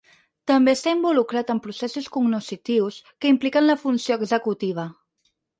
També està involucrat en processos cognoscitius que impliquen la funció executiva.